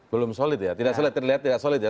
belum solid ya tidak terlihat tidak solid ya